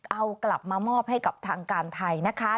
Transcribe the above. เอากลับมามอบให้กับทางการไทยนะคะ